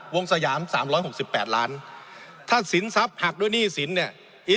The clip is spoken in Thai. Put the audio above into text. วงสยามสามร้อยหกสิบแปดล้านถ้าสินทรัพย์หักด้วยหนี้สินเนี่ย